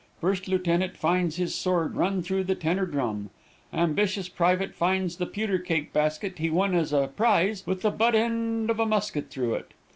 First lieutenant finds his sword run through the tenor drum. Ambitious private finds the pewter cake basket he won as a prize, with the butt end of a musket through it.